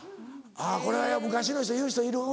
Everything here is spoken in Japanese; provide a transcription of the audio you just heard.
あぁこれは昔の人言う人いる。